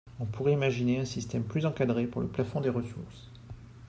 On pourrait imaginer un système plus encadré pour le plafond des ressources.